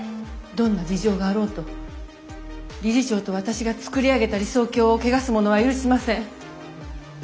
どんな事情があろうと理事長と私が作り上げた理想郷を汚す者は許しません。